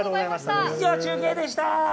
以上、中継でした！